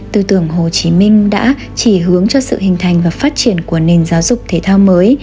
tư tưởng hồ chí minh đã chỉ hướng cho sự hình thành và phát triển của nền giáo dục thể thao mới